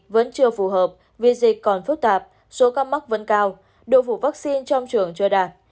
vẫn chưa phù hợp vì dịch còn phức tạp số ca mắc vẫn cao độ vụ vaccine trong trường chưa đạt